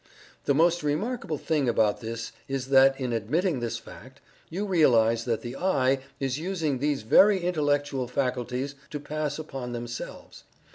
The most remarkable thing about this is that in admitting this fact, you realize that the "I" is using these very intellectual faculties to pass upon themselves.